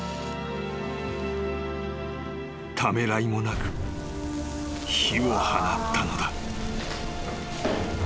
［ためらいもなく火を放ったのだ］